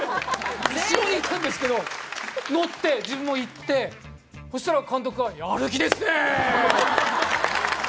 後ろにいたんですけど乗って、自分も行って、そしたら監督が「やる気ですね！」。